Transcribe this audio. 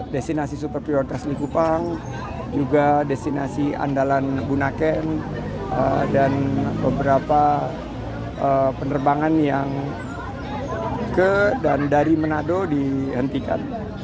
destinasi super prioritas likupang juga destinasi andalan bunaken dan beberapa penerbangan yang ke dan dari manado dihentikan